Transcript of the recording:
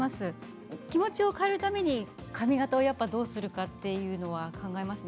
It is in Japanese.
気持ちを変えるために髪形をどうするかというのを考えますね。